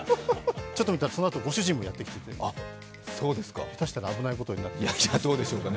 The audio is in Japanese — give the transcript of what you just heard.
ちょっと見たら、そのあとご主人もやってきて、へたしたら、危ないことになっていたかもしれません。